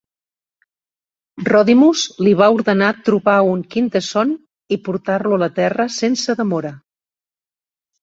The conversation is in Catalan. Rodimus li va ordenar trobar un Quintesson i portar-lo a la Terra sense demora.